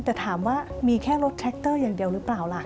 แต่ถามว่ามีแค่รถแท็กเตอร์อย่างเดียวหรือเปล่าล่ะ